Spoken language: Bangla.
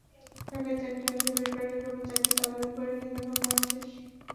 সরকারি চাকরির আশায় বেসরকারি কোন চাকুরিতে আবেদন করিনি কিন্তু এখন বয়স শেষ।